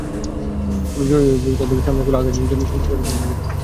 পরে জরুরি বিভাগের সামনে খোলা আকাশের নিচে সন্তান প্রসব করেন মাজেদা।